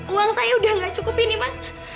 uang saya udah gak cukup ini mas